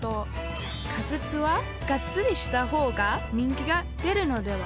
仮説は「がっつりした方が人気がでるのでは」